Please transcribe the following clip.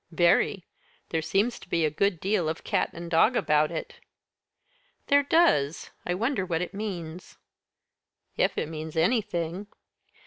"Very. There seems to be a good deal of cat and dog about it." "There does, I wonder what it means." "If it means anything."